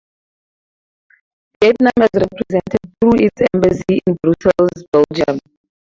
Vietnam is represented through its embassy in Brussels, Belgium.